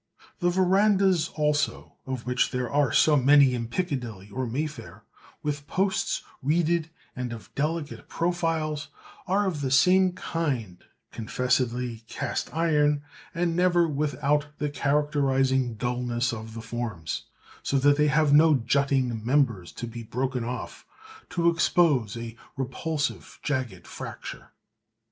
The verandahs also, of which there are so many in Piccadilly or Mayfair, with posts reeded and of delicate profiles, are of the same kind, confessedly cast iron, and never without the characterising dulness of the forms, so that they have no jutting members to be broken off, to expose a repulsive jagged fracture.